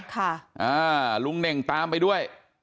ค่ะอ่าลุงเน่งตามไปด้วย